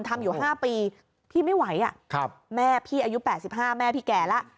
ทำอยู่๕ปีพี่ไม่ไหวแม่พี่อายุ๘๕แม่พี่แก่แล้ว